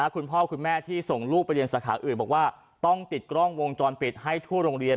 คุณพ่อคุณแม่ที่ส่งลูกไปเรียนสาขาอื่นบอกว่าต้องติดกล้องวงจรปิดให้ทั่วโรงเรียน